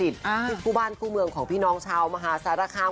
ที่คู่บ้านคู่เมืองของพี่น้องชาวมหาสารคาม